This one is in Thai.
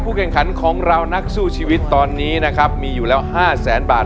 แข่งขันของเรานักสู้ชีวิตตอนนี้นะครับมีอยู่แล้ว๕แสนบาท